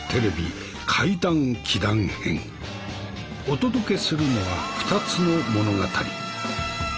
お届けするのは２つの物語。